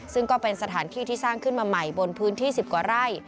ซึ่งก็เป็นสถานที่ที่สร้างขึ้นมาใหม่บนพื้นที่๑๐กว่าไร่